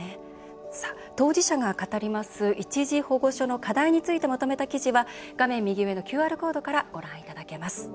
当事者が語る一時保護所の課題についてまとめた記事は画面右上のＱＲコードからご覧いただけます。